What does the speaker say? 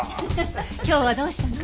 今日はどうしたの？